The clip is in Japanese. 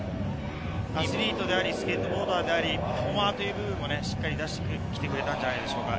アスリートであり、スケートボーダーであり、パフォーマーという部分も出してきてくれたんじゃないでしょうか。